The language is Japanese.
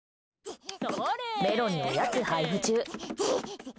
メロにおやつ配布中。